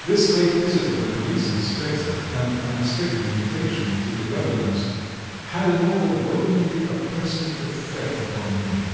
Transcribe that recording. This late visit of the police inspector and unexpected invitation to the Governor's had an overwhelmingly oppressive effect upon me.